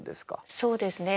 そうですね。